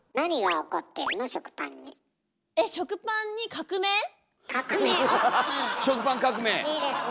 おっいいですね。